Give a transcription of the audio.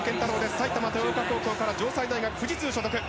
埼玉の高校から、城西大学富士通所属。